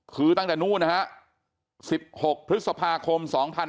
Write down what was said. คือตั้งแต่นู้นนะฮะ๑๖พฤษภาคม๒๕๕๙